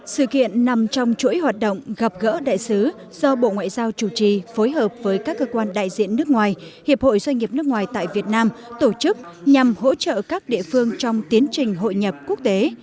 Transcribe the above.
sự kiện nằm trong chuỗi hoạt động gặp gỡ đại sứ do bộ ngoại giao chủ trì phối hợp với các cơ quan đại diện nước ngoài hiệp hội doanh nghiệp nước ngoài tại việt nam tổ chức nhằm hỗ trợ các địa phương trong tiến trình hội nhập quốc tế